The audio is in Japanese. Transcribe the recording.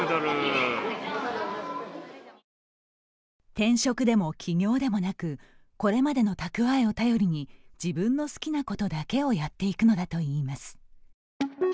転職でも起業でもなくこれまでの蓄えを頼りに自分の好きなことだけをやっていくのだといいます。